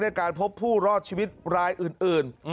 การพบผู้รอดชีวิตรายอื่น